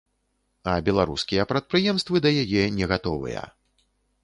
А беларускія прадпрыемствы да яе не гатовыя.